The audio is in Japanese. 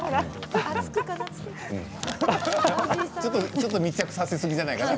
ちょっと密着させすぎじゃないかな？